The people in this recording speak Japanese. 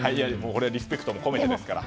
リスペクトも込めてですから。